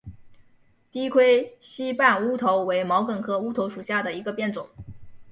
低盔膝瓣乌头为毛茛科乌头属下的一个变种。